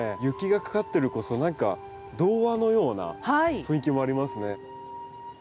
雪がかかってる何か童話のような雰囲気もありますね。